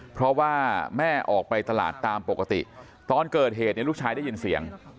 เพราะว่าแม่ออกไปตลาดตามปกติตอนเกิดเหตุเนี่ยลูกชายได้ยินเสียง